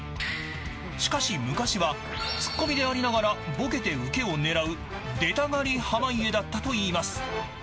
しかし昔はツッコミでありながらボケてウケを狙う出たがり濱家だったといいます。